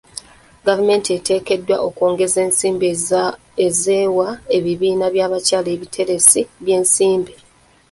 Gavumenti eteekeddwa okwongeza ensimbi z'ewa ebibiina by'abakyala ebiteresi by'ensimbi.